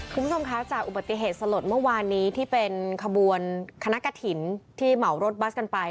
คุณผู้ชมคะจากอุบัติเหตุสลดเมื่อวานนี้ที่เป็นขบวนคณะกฐินที่เหมารถบัสกันไป